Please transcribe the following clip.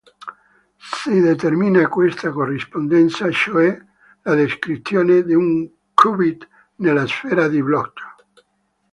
Si determina questa corrispondenza, cioè la descrizione di un qubit nella sfera di Bloch.